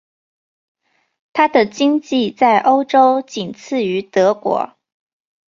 她的经济在欧洲仅次于德国。